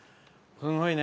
すごいね！